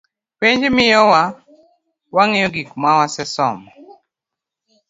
Penj miyowa wangeyo gik ma wasesomo.